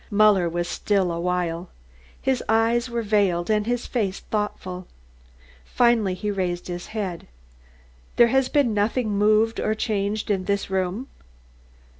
Muller was still a while. His eyes were veiled and his face thoughtful. Finally he raised his head. "There has been nothing moved or changed in this room?"